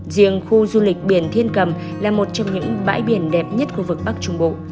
riêng khu du lịch biển thiên cầm là một trong những bãi biển đẹp nhất khu vực bắc trung bộ